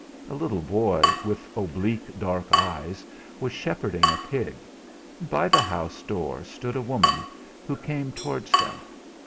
A little boy with oblique dark eyes was shepherding a pig, and by the house door stood a woman, who came towards them.